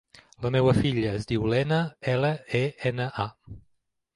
La meva filla es diu Lena: ela, e, ena, a.